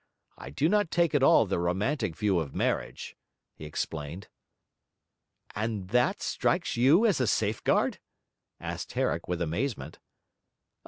I do not take at all the romantic view of marriage,' he explained. 'And that strikes you as a safeguard?' asked Herrick with amazement.